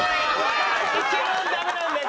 一番ダメなんだよ